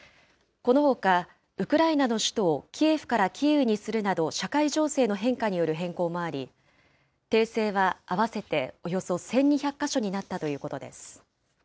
このほか、ウクライナの首都をキエフからキーウにするなど社会情勢の変化による変更もあり、訂正は合わせておよそ１２００か所になったということです。